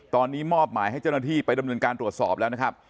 ตอนนี้มอบหมายให้เจ้าหน้าที่ไปดำเนินการตรวจสอบแล้วนะครับ